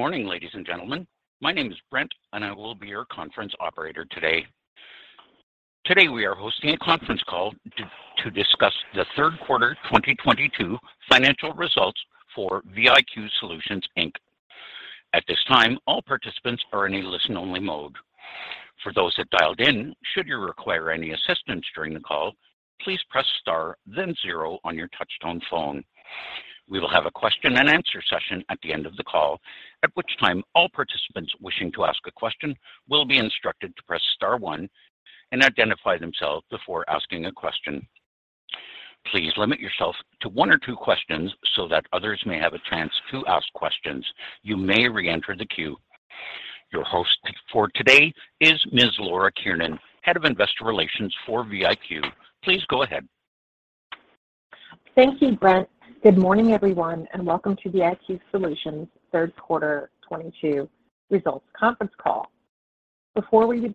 Morning, ladies and gentlemen. My name is Brent, and I will be your conference operator today. Today, we are hosting a conference call to discuss the Third Quarter 2022 Financial Results for VIQ Solutions Inc. At this time, all participants are in a listen-only mode. For those that dialed in, should you require any assistance during the call, please press star then zero on your touch-tone phone. We will have a question and answer session at the end of the call, at which time all participants wishing to ask a question will be instructed to press star one and identify themselves before asking a question. Please limit yourself to one or two questions so that others may have a chance to ask questions. You may reenter the queue. Your host for today is Ms. Laura Kiernan, Head of Investor Relations for VIQ. Please go ahead. Thank you, Brent. Good morning, everyone, and welcome to VIQ Solutions Third Quarter 2022 Results Conference Call. Before we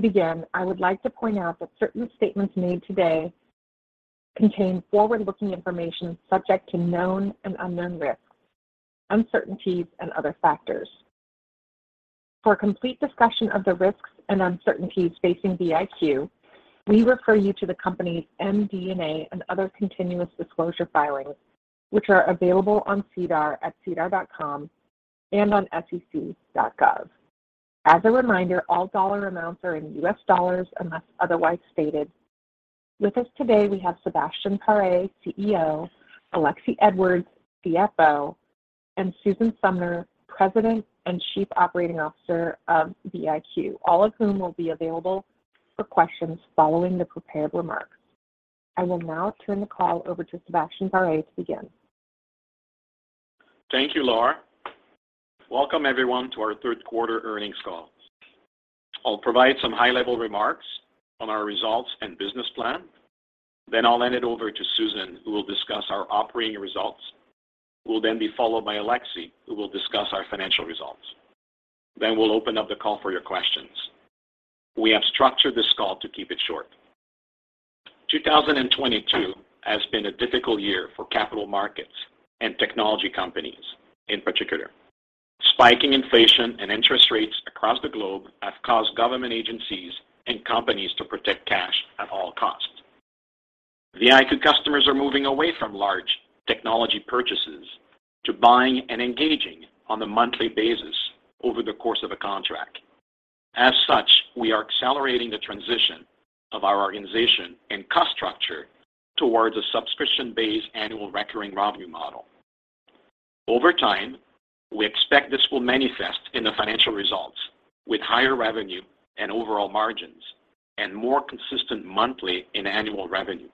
begin, I would like to point out that certain statements made today contain forward-looking information subject to known and unknown risks, uncertainties, and other factors. For a complete discussion of the risks and uncertainties facing VIQ, we refer you to the company's MD&A and other continuous disclosure filings, which are available on SEDAR at sedar.com and on sec.gov. As a reminder, all dollar amounts are in US dollars unless otherwise stated. With us today, we have Sebastien Paré, CEO, Alexie Edwards, CFO, and Susan Sumner, President and Chief Operating Officer of VIQ. All of whom will be available for questions following the prepared remarks. I will now turn the call over to Sebastien Paré to begin. Thank you, Laura. Welcome, everyone to our third quarter earnings call. I'll provide some high-level remarks on our results and business plan. Then I'll hand it over to Susan, who will discuss our operating results, who will then be followed by Alexie, who will discuss our financial results. Then we'll open up the call for your questions. We have structured this call to keep it short. 2022 has been a difficult year for capital markets and technology companies, in particular. Spiking inflation and interest rates across the globe have caused government agencies and companies to protect cash at all costs. VIQ customers are moving away from large technology purchases to buying and engaging on a monthly basis over the course of a contract. As such, we are accelerating the transition of our organization and cost structure towards a subscription-based annual recurring revenue model. Over time, we expect this will manifest in the financial results with higher revenue and overall margins and more consistent monthly and annual revenue.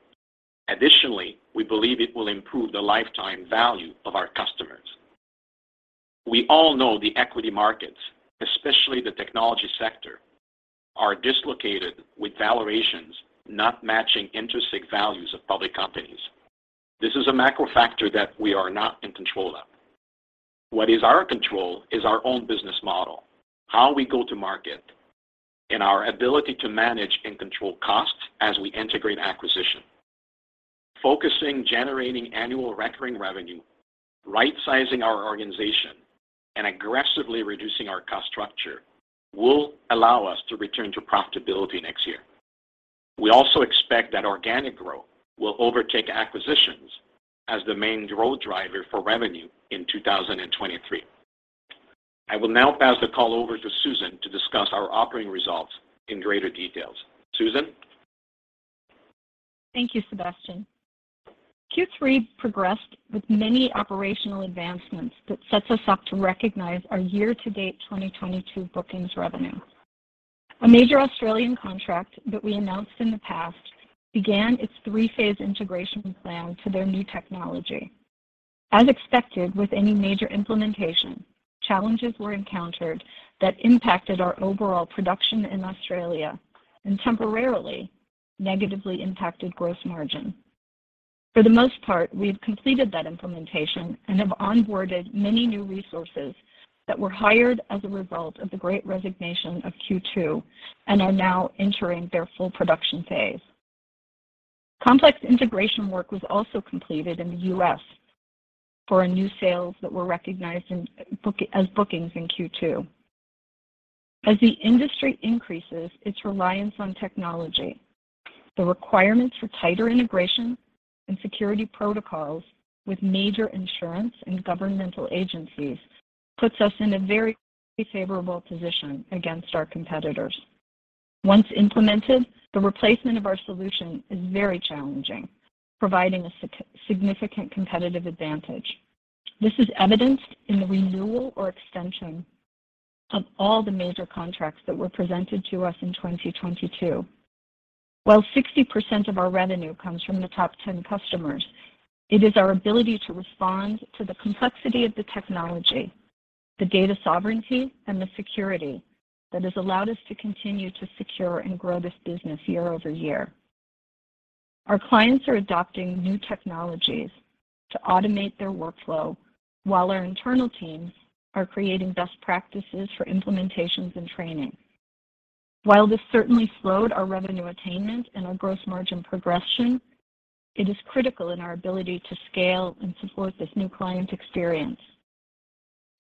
Additionally, we believe it will improve the lifetime value of our customers. We all know the equity markets, especially the technology sector, are dislocated with valuations not matching intrinsic values of public companies. This is a macro factor that we are not in control of. What is our control is our own business model, how we go to market, and our ability to manage and control costs as we integrate acquisition. Focusing generating annual recurring revenue, right-sizing our organization, and aggressively reducing our cost structure will allow us to return to profitability next year. We also expect that organic growth will overtake acquisitions as the main growth driver for revenue in 2023. I will now pass the call over to Susan to discuss our operating results in greater details. Susan? Thank you, Sebastien. Q3 progressed with many operational advancements that sets us up to recognize our year-to-date 2022 bookings revenue. A major Australian contract that we announced in the past began its three-phase integration plan to their new technology. As expected with any major implementation, challenges were encountered that impacted our overall production in Australia and temporarily negatively impacted gross margin. For the most part, we've completed that implementation and have onboarded many new resources that were hired as a result of the great resignation of Q2 and are now entering their full production phase. Complex integration work was also completed in the US for our new sales that were recognized as bookings in Q2. As the industry increases its reliance on technology, the requirements for tighter integration and security protocols with major insurance and governmental agencies puts us in a very favorable position against our competitors. Once implemented, the replacement of our solution is very challenging, providing a significant competitive advantage. This is evidenced in the renewal or extension of all the major contracts that were presented to us in 2022. While 60% of our revenue comes from the top 10 customers, it is our ability to respond to the complexity of the technology, the data sovereignty, and the security that has allowed us to continue to secure and grow this business year over year. Our clients are adopting new technologies to automate their workflow while our internal teams are creating best practices for implementations and training. While this certainly slowed our revenue attainment and our gross margin progression, it is critical in our ability to scale and support this new client experience.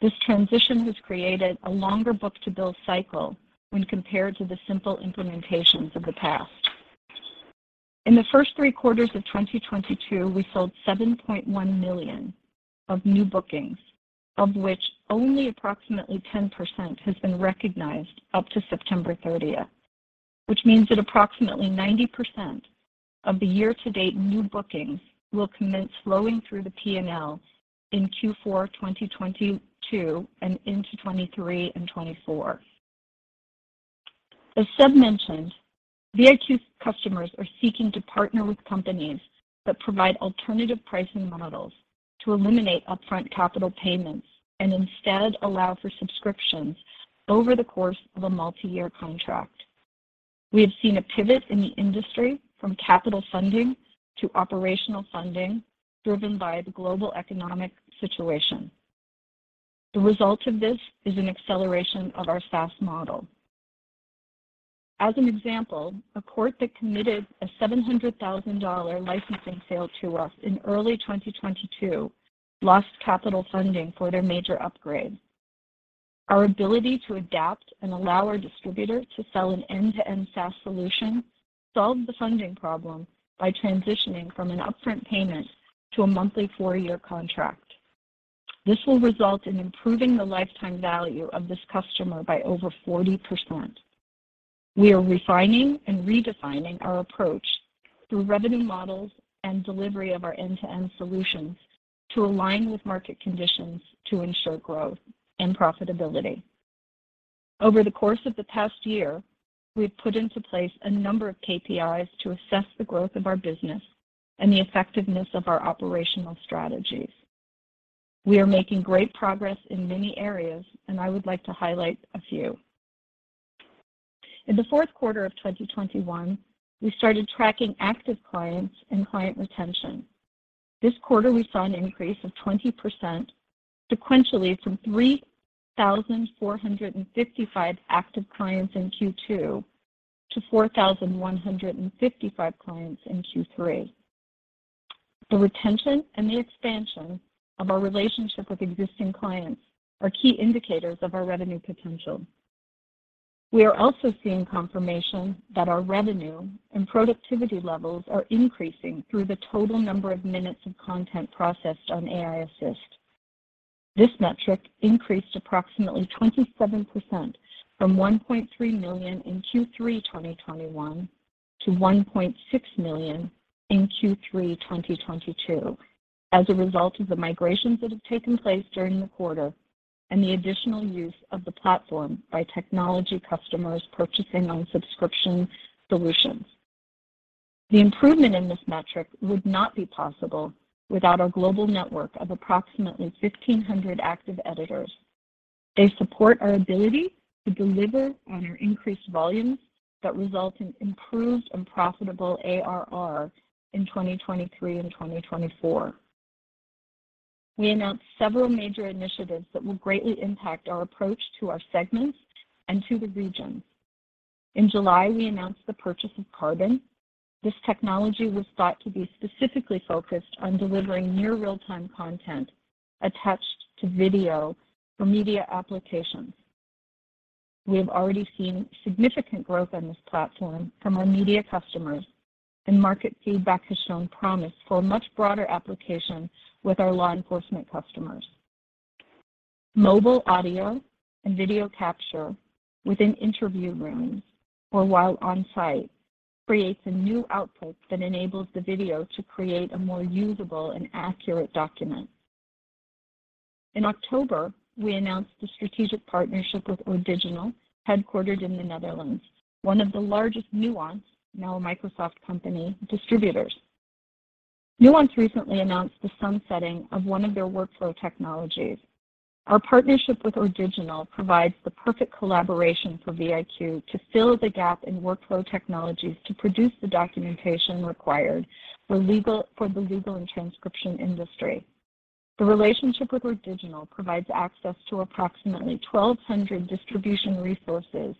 This transition has created a longer book-to-bill cycle when compared to the simple implementations of the past. In the first three quarters of 2022, we sold $7.1 million of new bookings, of which only approximately 10% has been recognized up to September 30th. Which means that approximately 90% of the year-to-date new bookings will commence flowing through the P&L in Q4 2022 and into 2023 and 2024. As Seb mentioned, VIQ customers are seeking to partner with companies that provide alternative pricing models to eliminate upfront capital payments and instead allow for subscriptions over the course of a multi-year contract. We have seen a pivot in the industry from capital funding to operational funding, driven by the global economic situation. The result of this is an acceleration of our SaaS model. As an example, a court that committed a $700,000 licensing sale to us in early 2022 lost capital funding for their major upgrade. Our ability to adapt and allow our distributor to sell an end-to-end SaaS solution solved the funding problem by transitioning from an upfront payment to a monthly four-year contract. This will result in improving the lifetime value of this customer by over 40%. We are refining and redesigning our approach through revenue models and delivery of our end-to-end solutions to align with market conditions to ensure growth and profitability. Over the course of the past year, we have put into place a number of KPIs to assess the growth of our business and the effectiveness of our operational strategies. We are making great progress in many areas, and I would like to highlight a few. In the fourth quarter of 2021, we started tracking active clients and client retention. This quarter, we saw an increase of 20% sequentially from 3,455 active clients in Q2 to 4,155 clients in Q3. The retention and the expansion of our relationship with existing clients are key indicators of our revenue potential. We are also seeing confirmation that our revenue and productivity levels are increasing through the total number of minutes of content processed on AI Assist. This metric increased approximately 27% from $1.3 million in Q3 2021 to $1.6 million in Q3 2022 as a result of the migrations that have taken place during the quarter and the additional use of the platform by technology customers purchasing on subscription solutions. The improvement in this metric would not be possible without our global network of approximately 1,500 active editors. They support our ability to deliver on our increased volumes that result in improved and profitable ARR in 2023 and 2024. We announced several major initiatives that will greatly impact our approach to our segments and to the regions. In July, we announced the purchase of Carbon. This technology was thought to be specifically focused on delivering near real-time content attached to video for media applications. We have already seen significant growth on this platform from our media customers, and market feedback has shown promise for a much broader application with our law enforcement customers. Mobile audio and video capture within interview rooms or while on site creates a new output that enables the video to create a more usable and accurate document. In October, we announced a strategic partnership with ORdigiNAL, headquartered in the Netherlands, one of the largest Nuance, now a Microsoft company, distributors. Nuance recently announced the sunsetting of one of their workflow technologies. Our partnership with ORdigiNAL provides the perfect collaboration for VIQ to fill the gap in workflow technologies to produce the documentation required for the legal and transcription industry. The relationship with ORdigiNAL provides access to approximately 1,200 distribution resources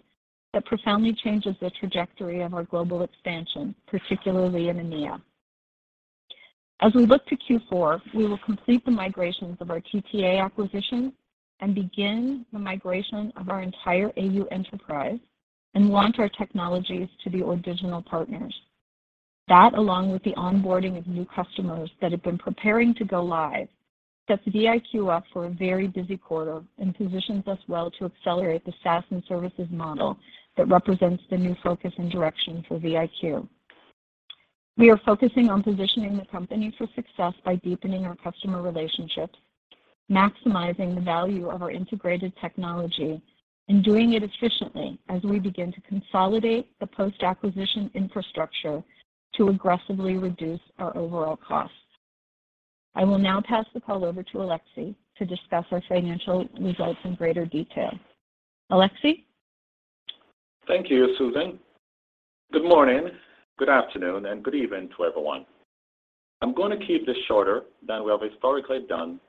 that profoundly changes the trajectory of our global expansion, particularly in EMEA. As we look to Q4, we will complete the migrations of our TTA acquisition and begin the migration of our entire AU enterprise and launch our technologies to the ORdigiNAL partners. That, along with the onboarding of new customers that have been preparing to go live, sets VIQ up for a very busy quarter and positions us well to accelerate the SaaS and services model that represents the new focus and direction for VIQ. We are focusing on positioning the company for success by deepening our customer relationships, maximizing the value of our integrated technology, and doing it efficiently as we begin to consolidate the post-acquisition infrastructure to aggressively reduce our overall costs. I will now pass the call over to Alexie to discuss our financial results in greater detail. Alexie? Thank you, Susan. Good morning, good afternoon, and good evening to everyone. I'm going to keep this shorter than we have historically done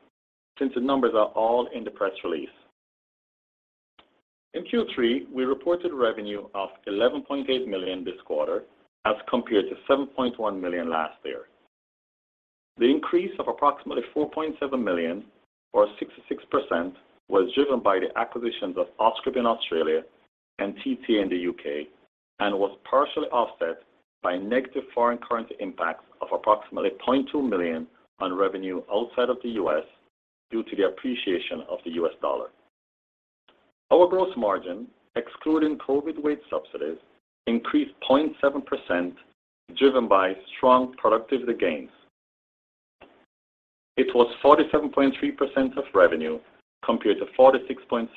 since the numbers are all in the press release. In Q3, we reported revenue of $11.8 million this quarter as compared to $7.1 million last year. The increase of approximately $4.7 million, or 66%, was driven by the acquisitions of Auscript in Australia and TTA in the U.K., and was partially offset by negative foreign currency impacts of approximately $0.2 million on revenue outside of the U.S. due to the appreciation of the US dollar. Our gross margin, excluding COVID wage subsidies, increased 0.7%, driven by strong productivity gains. It was 47.3% of revenue compared to 46.6%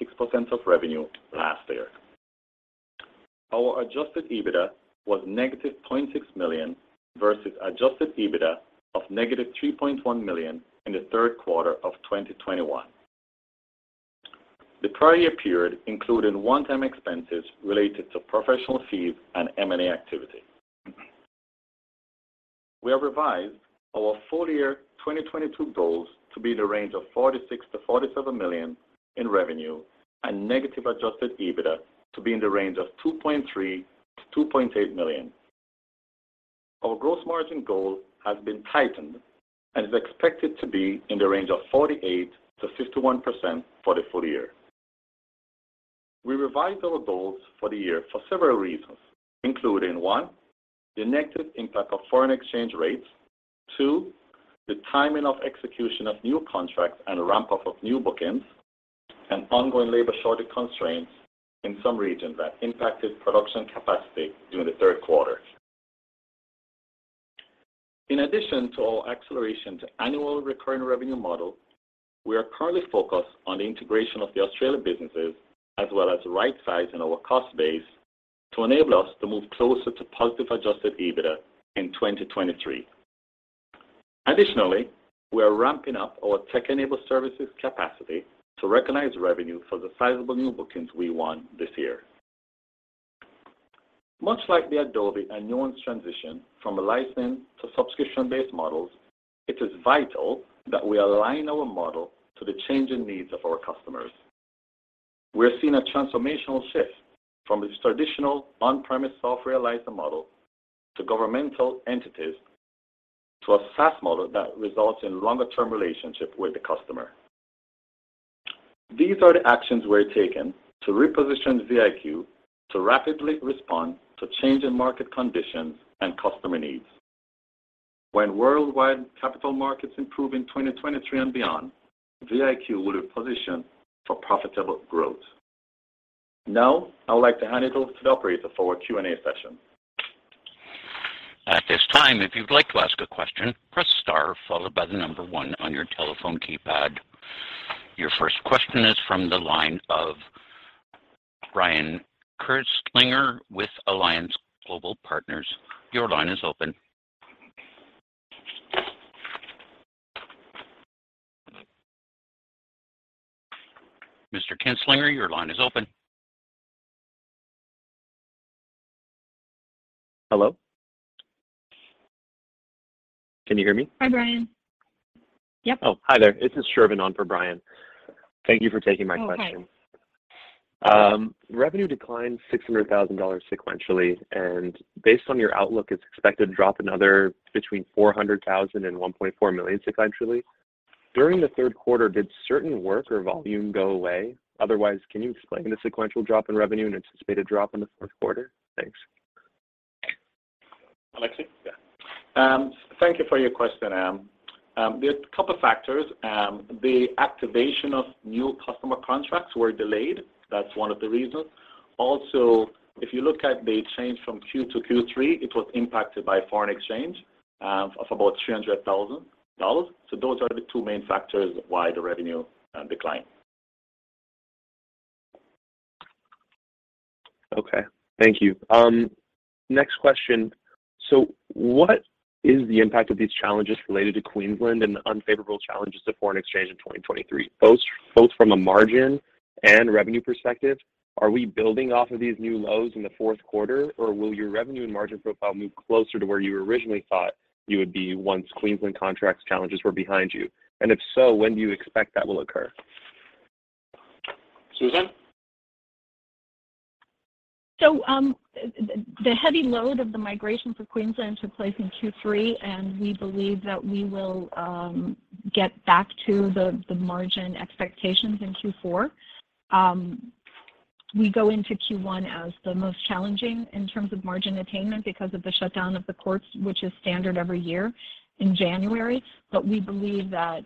of revenue last year. Our adjusted EBITDA was -$0.6 million versus adjusted EBITDA of -$3.1 million in the third quarter of 2021. The prior year period included one-time expenses related to professional fees and M&A activity. We have revised our full year 2022 goals to be the range of $46 million-$47 million in revenue and negative adjusted EBITDA to be in the range of $2.3 million-$2.8 million. Our gross margin goal has been tightened and is expected to be in the range of 48%-51% for the full year. We revised our goals for the year for several reasons, including, one, the negative impact of foreign exchange rates, two, the timing of execution of new contracts and ramp-up of new bookings, and ongoing labor shortage constraints in some regions that impacted production capacity during the third quarter. In addition to our acceleration to annual recurring revenue model, we are currently focused on the integration of the Australian businesses as well as right-sizing our cost base to enable us to move closer to positive adjusted EBITDA in 2023. Additionally, we are ramping up our tech-enabled services capacity to recognize revenue for the sizable new bookings we won this year. Much like the Adobe and Nuance transition from a license to subscription-based models, it is vital that we align our model to the changing needs of our customers. We are seeing a transformational shift from the traditional on-premise software license model to governmental entities to a SaaS model that results in longer term relationship with the customer. These are the actions we are taking to reposition VIQ to rapidly respond to changing market conditions and customer needs. When worldwide capital markets improve in 2023 and beyond, VIQ will be positioned for profitable growth. Now, I would like to hand it over to the operator for our Q&A session. At this time, if you'd like to ask a question, press star followed by the number one on your telephone keypad. Your first question is from the line of Brian Kinstlinger with Alliance Global Partners. Your line is open. Mr. Kinstlinger, your line is open. Hello? Can you hear me? Hi, Brian. Yep. Oh, hi there. This is Shervin on for Brian. Thank you for taking my question. Oh, hi. Revenue declined $600,000 sequentially, and based on your outlook, it's expected to drop another between $400,000 and $1.4 million sequentially. During the third quarter, did certain work or volume go away? Otherwise, can you explain the sequential drop in revenue and anticipated drop in the fourth quarter? Thanks. Alexie? Yeah. Thank you for your question. There's a couple factors. The activation of new customer contracts were delayed. That's one of the reasons. Also, if you look at the change from Q2-Q3, it was impacted by foreign exchange of about $300,000. Those are the two main factors why the revenue declined. Okay. Thank you. Next question. What is the impact of these challenges related to Queensland and the unfavorable challenges to foreign exchange in 2023, both from a margin and revenue perspective? Are we building off of these new lows in the fourth quarter, or will your revenue and margin profile move closer to where you originally thought you would be once Queensland contracts challenges were behind you? And if so, when do you expect that will occur? Susan? The heavy load of the migration for Queensland took place in Q3, and we believe that we will get back to the margin expectations in Q4. We go into Q1 as the most challenging in terms of margin attainment because of the shutdown of the courts, which is standard every year in January. We believe that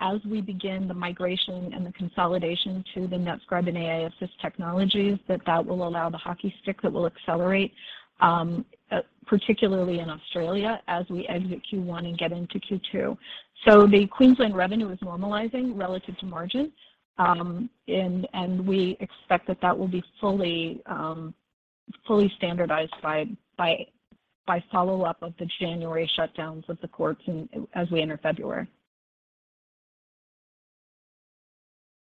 as we begin the migration and the consolidation to the NetScribe and AI Assist technologies, that will allow the hockey stick that will accelerate particularly in Australia as we exit Q1 and get into Q2. The Queensland revenue is normalizing relative to margins, and we expect that that will be fully standardized by follow-up of the January shutdowns of the courts as we enter February.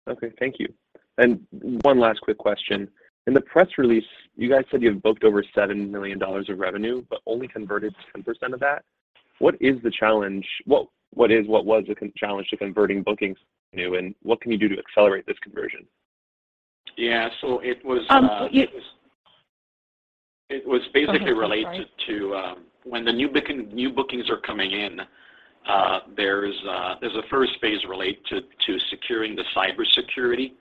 Okay, thank you. One last quick question. In the press release, you guys said you have booked over $7 million of revenue but only converted 10% of that. What was the challenge to converting bookings revenue, and what can you do to accelerate this conversion? Yeah. It was Um, you- It was basically related. Go ahead, sorry. To when new bookings are coming in, there's a first phase related to securing the cybersecurity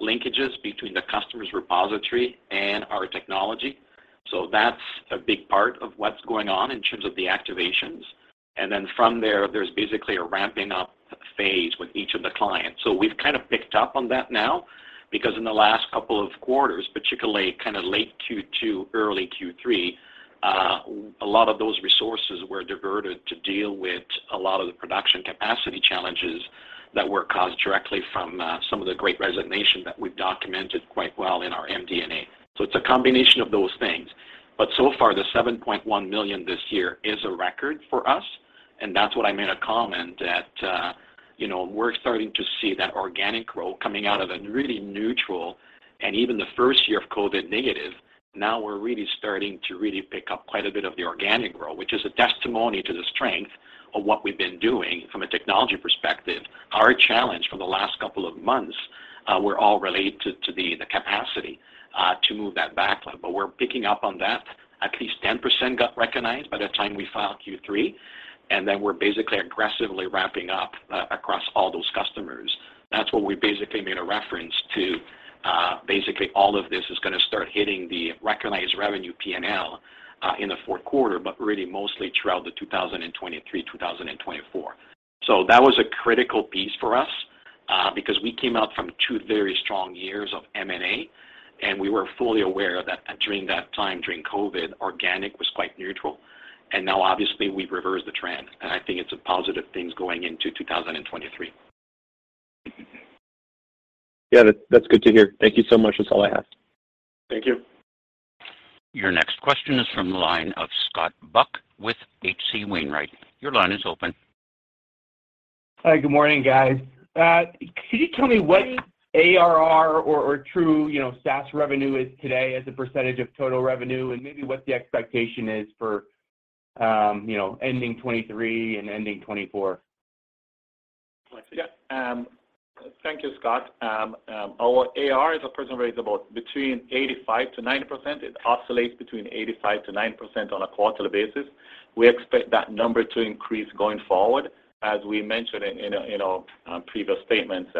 linkages between the customer's repository and our technology. That's a big part of what's going on in terms of the activations. From there's basically a ramping up phase with each of the clients. We've kind of picked up on that now because in the last couple of quarters, particularly kind of late Q2, early Q3, a lot of those resources were diverted to deal with a lot of the production capacity challenges that were caused directly from some of the great resignation that we've documented quite well in our MD&A. It's a combination of those things. So far, the $7.1 million this year is a record for us, and that's what I made a comment that, you know, we're starting to see that organic growth coming out of a really neutral and even the first year of COVID negative. Now we're really starting to pick up quite a bit of the organic growth, which is a testimony to the strength of what we've been doing from a technology perspective. Our challenge for the last couple of months were all related to the capacity to move that backlog. We're picking up on that. At least 10% got recognized by the time we filed Q3, and then we're basically aggressively ramping up across all those customers. That's what we basically made a reference to. Basically all of this is gonna start hitting the recognized revenue P&L in the fourth quarter but really mostly throughout 2023, 2024. That was a critical piece for us because we came out from two very strong years of M&A, and we were fully aware that during that time, during COVID, organic was quite neutral. Now obviously we've reversed the trend, and I think it's a positive thing going into 2023. Yeah. That's good to hear. Thank you so much. That's all I have. Thank you. Your next question is from the line of Scott Buck with H.C. Wainwright. Your line is open. Hi. Good morning, guys. Could you tell me what ARR or true, you know, SaaS revenue is today as a percentage of total revenue and maybe what the expectation is for, you know, ending 2023 and ending 2024? Alexie? Yeah. Thank you, Scott. Our ARR as a percentage rate is about between 85%-90%. It oscillates between 85%-90% on a quarterly basis. We expect that number to increase going forward. As we mentioned in previous statements,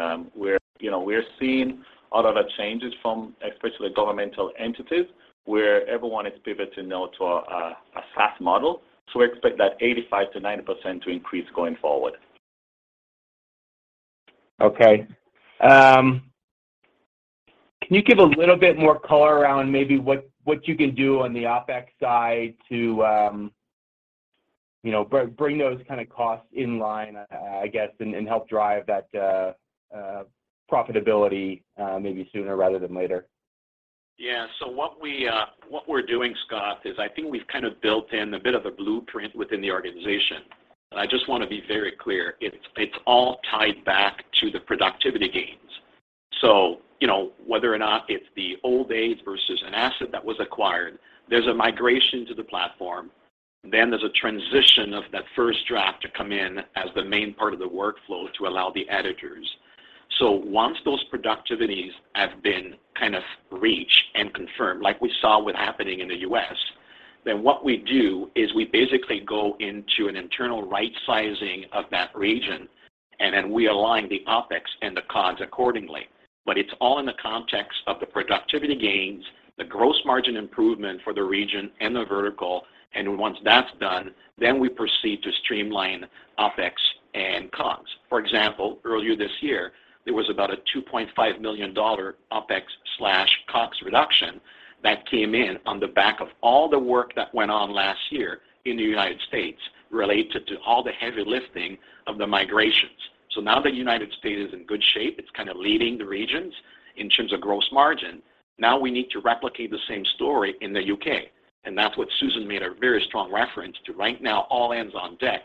you know, we're seeing a lot of the changes from especially governmental entities where everyone is pivoting now to a SaaS model. We expect that 85%-90% to increase going forward. Okay. Can you give a little bit more color around maybe what you can do on the OpEx side to, you know, bring those kind of costs in line, I guess, and help drive that profitability, maybe sooner rather than later? Yeah, what we're doing, Scott, is I think we've kind of built in a bit of a blueprint within the organization. I just wanna be very clear, it's all tied back to the productivity gains. You know, whether or not it's the legacy versus an asset that was acquired, there's a migration to the platform. There's a transition of that first draft to come in as the main part of the workflow to allow the editors. Once those productivities have been kind of reached and confirmed, like we saw what happened in the U.S., what we do is we basically go into an internal right sizing of that region, and then we align the OpEx and the COGS accordingly. It's all in the context of the productivity gains, the gross margin improvement for the region and the vertical. Once that's done, then we proceed to streamline OpEx and COGS. For example, earlier this year, there was about a $2.5 million OpEx and COGS reduction that came in on the back of all the work that went on last year in the United States related to all the heavy lifting of the migrations. Now the United States is in good shape. It's kind of leading the regions in terms of gross margin. Now we need to replicate the same story in the U.K.. That's what Susan made a very strong reference to. Right now, all hands on deck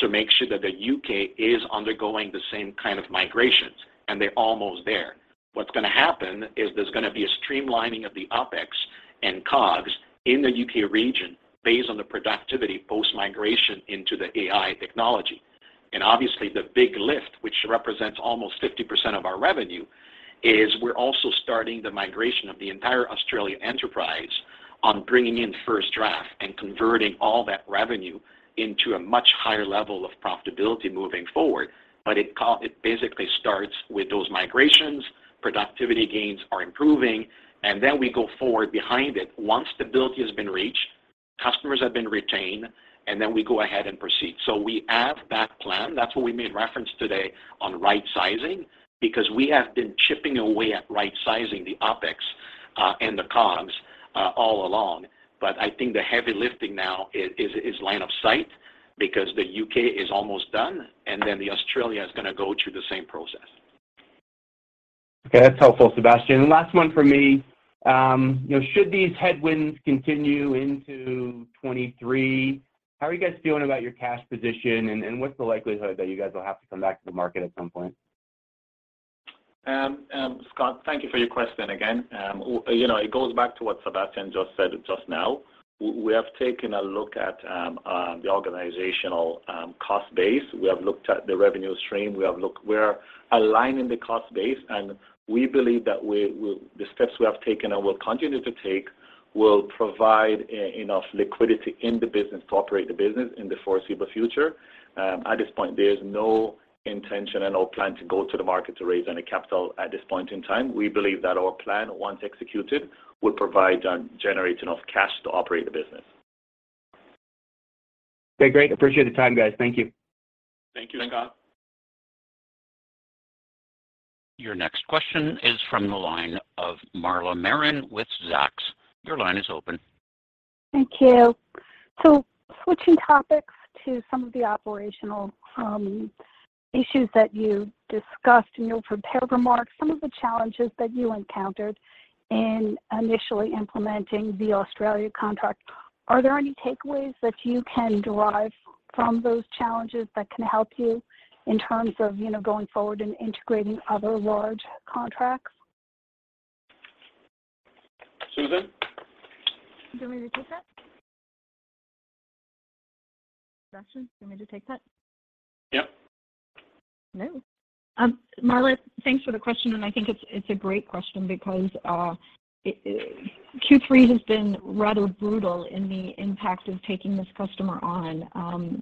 to make sure that the U.K. is undergoing the same kind of migrations, and they're almost there. What's gonna happen is there's gonna be a streamlining of the OpEx and COGS in the U.K. region based on the productivity post-migration into the AI technology. Obviously the big lift, which represents almost 50% of our revenue, is we're also starting the migration of the entire Australian enterprise on bringing in FirstDraft and converting all that revenue into a much higher level of profitability moving forward. It basically starts with those migrations, productivity gains are improving, and then we go forward behind it. Once stability has been reached, customers have been retained, and then we go ahead and proceed. We have that plan. That's what we made reference today on right sizing because we have been chipping away at right sizing the OpEx and the COGS all along. I think the heavy lifting now is line of sight because the U.K. is almost done, and then Australia is gonna go through the same process. Okay, that's helpful, Sebastien. Last one for me. You know, should these headwinds continue into 2023, how are you guys feeling about your cash position? And what's the likelihood that you guys will have to come back to the market at some point? Scott, thank you for your question again. You know, it goes back to what Sebastien just said just now. We have taken a look at the organizational cost base. We have looked at the revenue stream. We're aligning the cost base, and we believe that the steps we have taken and will continue to take will provide enough liquidity in the business to operate the business in the foreseeable future. At this point, there's no intention and no plan to go to the market to raise any capital at this point in time. We believe that our plan, once executed, will generate enough cash to operate the business. Okay, great. Appreciate the time, guys. Thank you. Thank you, Scott. Your next question is from the line of Marla Marin with Zacks. Your line is open. Thank you. Switching topics to some of the operational issues that you discussed in your prepared remarks, some of the challenges that you encountered in initially implementing the Australia contract, are there any takeaways that you can derive from those challenges that can help you in terms of, you know, going forward and integrating other large contracts? Susan? Do you want me to take that? Sebastien, do you want me to take that? Yeah. No. Marla, thanks for the question, and I think it's a great question because Q3 has been rather brutal in the impact of taking this customer on.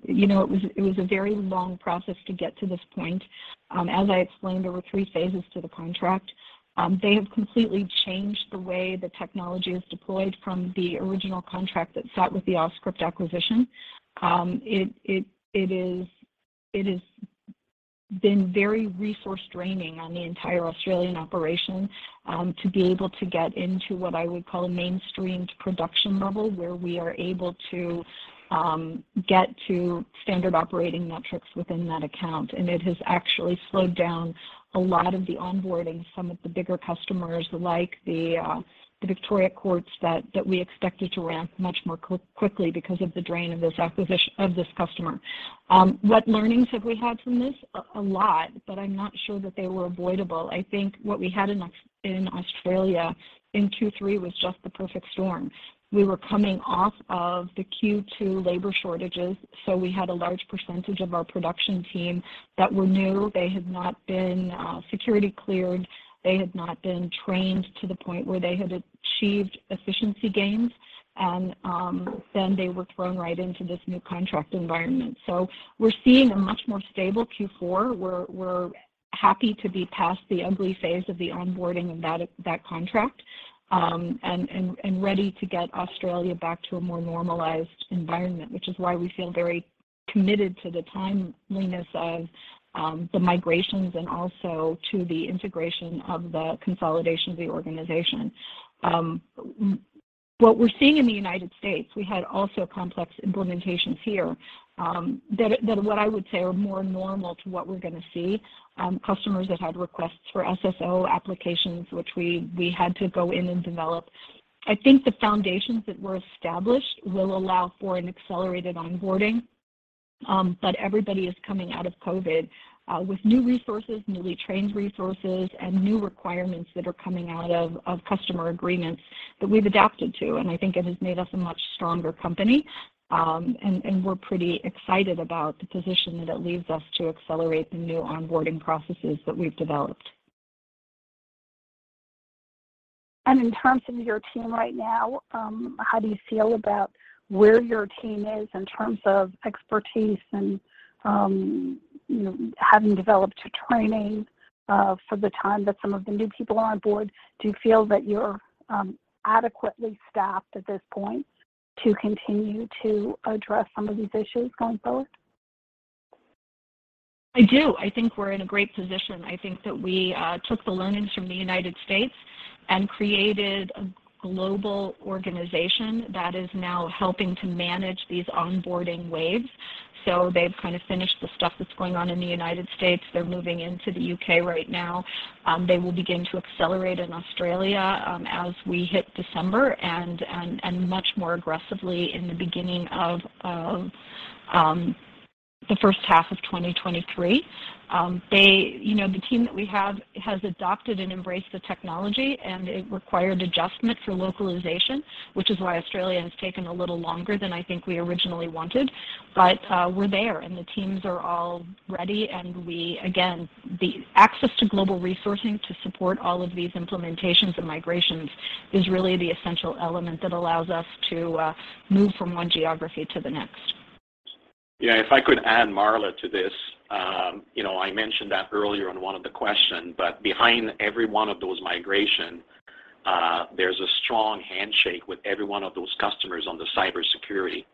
You know, it was a very long process to get to this point. As I explained, there were three phases to the contract. They have completely changed the way the technology is deployed from the original contract that sat with the Auscript acquisition. It has been very resource draining on the entire Australian operation to be able to get into what I would call a mainstreamed production level, where we are able to get to standard operating metrics within that account. It has actually slowed down a lot of the onboarding some of the bigger customers like the Victoria Courts that we expected to ramp much more quickly because of the drain of this acquisition of this customer. What learnings have we had from this? A lot, but I'm not sure that they were avoidable. I think what we had in Australia in Q3 was just the perfect storm. We were coming off of the Q2 labor shortages, so we had a large percentage of our production team that were new. They had not been security cleared. They had not been trained to the point where they had achieved efficiency gains. Then they were thrown right into this new contract environment. We're seeing a much more stable Q4. We're happy to be past the ugly phase of the onboarding of that contract, and ready to get Australia back to a more normalized environment, which is why we feel very committed to the timeliness of the migrations and also to the integration of the consolidation of the organization. What we're seeing in the United States, we had also complex implementations here that, what I would say, are more normal to what we're gonna see. Customers that had requests for SSO applications, which we had to go in and develop. I think the foundations that were established will allow for an accelerated onboarding, but everybody is coming out of COVID, with new resources, newly trained resources, and new requirements that are coming out of customer agreements that we've adapted to, and I think it has made us a much stronger company. We're pretty excited about the position that it leaves us to accelerate the new onboarding processes that we've developed. In terms of your team right now, how do you feel about where your team is in terms of expertise and, you know, having developed training, for the time that some of the new people are on board? Do you feel that you're adequately staffed at this point to continue to address some of these issues going forward? I do. I think we're in a great position. I think that we took the learnings from the United States and created a global organization that is now helping to manage these onboarding waves. They've kind of finished the stuff that's going on in the United States. They're moving into the U.K. right now. They will begin to accelerate in Australia as we hit December and much more aggressively in the beginning of the first half of 2023. You know, the team that we have has adopted and embraced the technology, and it required adjustment for localization, which is why Australia has taken a little longer than I think we originally wanted. We're there, and the teams are all ready, and again, the access to global resourcing to support all of these implementations and migrations is really the essential element that allows us to move from one geography to the next. Yeah, if I could add, Marla, to this, you know, I mentioned that earlier on one of the question, but behind every one of those migration, there's a strong handshake with every one of those customers on the cybersecurity.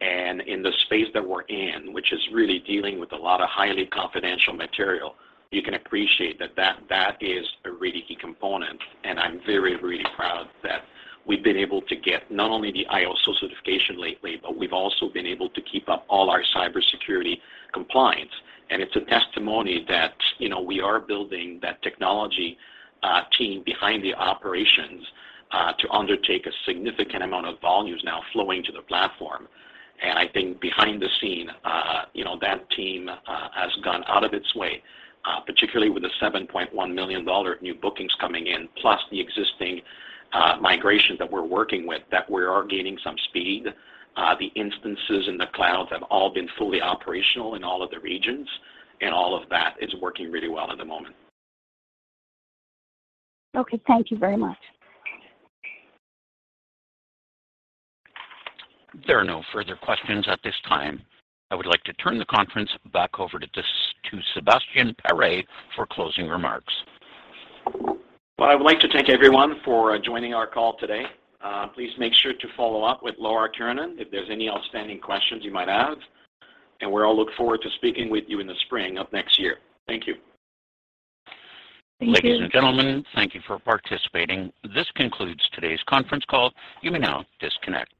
In the space that we're in, which is really dealing with a lot of highly confidential material, you can appreciate that that is a really key component. I'm very, very proud that we've been able to get not only the ISO certification lately, but we've also been able to keep up all our cybersecurity compliance. It's a testimony that, you know, we are building that technology team behind the operations to undertake a significant amount of volumes now flowing to the platform. I think behind the scenes, you know, that team has gone out of its way, particularly with the $7.1 million new bookings coming in, plus the existing migration that we're working with, that we are gaining some speed. The instances in the clouds have all been fully operational in all of the regions, and all of that is working really well at the moment. Okay. Thank you very much. There are no further questions at this time. I would like to turn the conference back over to Sebastien Paré for closing remarks. Well, I would like to thank everyone for joining our call today. Please make sure to follow up with Laura Kiernan if there's any outstanding questions you might have. We all look forward to speaking with you in the spring of next year. Thank you. Thank you. Ladies and gentlemen, thank you for participating. This concludes today's conference call. You may now disconnect.